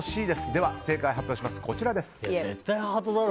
では正解はこちらです。